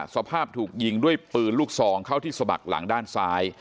สภาพถูกยิงด้วยปืนลูกซองเข้าที่สะบักหลังด้านซ้าย